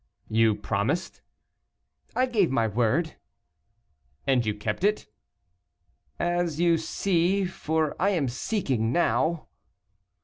'" "You promised?" "I gave my word." "And you kept it?" "As you see, for I am seeking now."